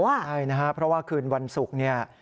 ใช่นะคะเพราะว่าคืนวันศุกร์นี้